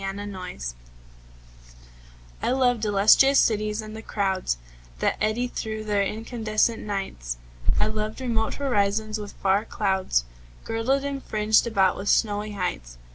7 Autoplay I loved illustrious cities and the crowds That eddy through their incandescent nights. I loved remote horizons with far clouds Girdled, and fringed about with snowy heights.